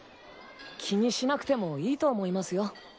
気にしなくてもいいと思いますよ。